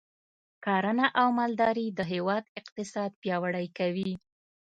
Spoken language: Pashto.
کرنه او مالداري د هیواد اقتصاد پیاوړی کوي.